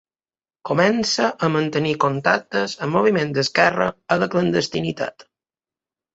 Comença a mantenir contactes amb moviments d'esquerra a la clandestinitat.